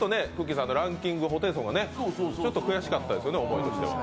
さんのランキングホテイソンさんがちょっと悔しかったですよね。